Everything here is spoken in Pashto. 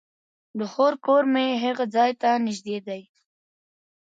د خور کور مې هغې ځای ته نژدې دی